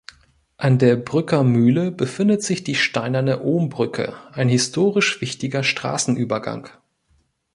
An der Brücker Mühle befindet sich die steinerne Ohmbrücke, ein historisch wichtiger Straßenübergang.